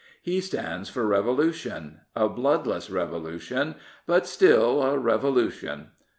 He stands for revolution — a bloodless revolu tion, but still a revolution.